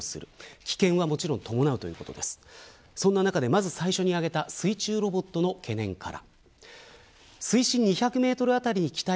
まず最初に挙げた水中ロボットの懸念から。